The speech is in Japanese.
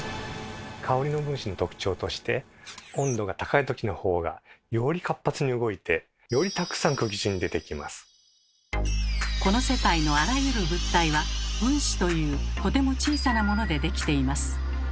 香りの分子の特徴としてこの世界のあらゆる物体は分子というとても小さなものでできています。